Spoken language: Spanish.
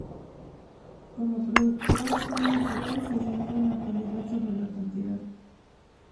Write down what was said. Como productor, Thomas Gold se centra en la calidad sobre la cantidad.